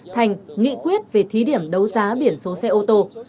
thành nghị quyết về thí điểm đấu giá biển số xe ô tô